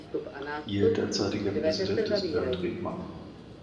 Ihr derzeitiger Präsident ist Bernd Redmann.